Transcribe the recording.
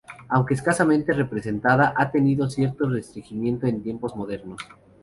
Aunque escasamente representada, ha tenido cierto resurgimiento en tiempos modernos.